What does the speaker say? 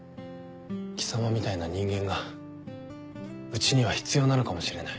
貴様みたいな人間がうちには必要なのかもしれない。